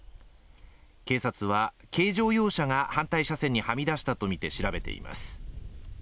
警察は、軽乗用車が反対車線にはみ出したとみて調べています。